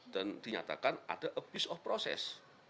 dan dinyatakan ada a piece of process